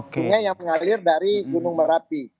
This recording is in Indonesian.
sungai yang mengalir dari gunung merapi